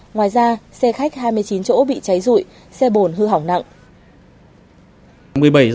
ngoài ra xe khách hai mươi chín chỗ bị cháy rụi xe bồn hư hỏng nặng